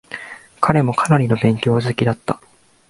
彼もかなりの勉強好きだった。